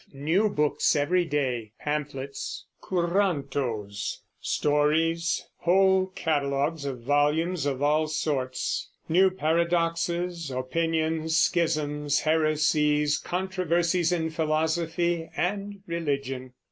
new books every day, pamphlets, currantoes, stories, whole catalogues of volumes of all sorts, new paradoxes, opinions, schisms, heresies, controversies in philosophy and religion.